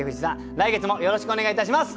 来月もよろしくお願いいたします！